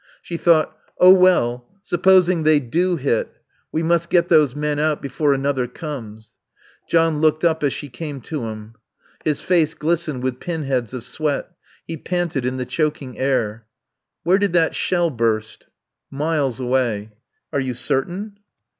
She thought: Oh well supposing they do hit. We must get those men out before another comes. John looked up as she came to him. His face glistened with pinheads of sweat; he panted in the choking air. "Where did that shell burst?" "Miles away." "Are you certain?"